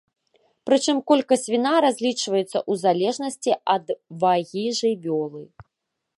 Прычым колькасць віна разлічваецца ў залежнасці ад вагі жывёлы.